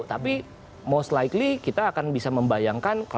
tapi most likely kita akan bisa membayangkan